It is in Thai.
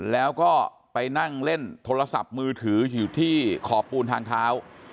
แล้วก็ไปนั่งเล่นโทรศัพท์มือถืออยู่ที่ขอบปูนทางเท้า